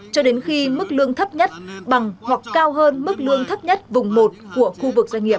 cho đến khi mức lương thấp nhất bằng hoặc cao hơn mức lương thấp nhất vùng một của khu vực doanh nghiệp